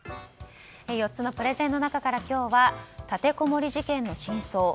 ４つのプレゼンの中から今日は立てこもり事件の真相。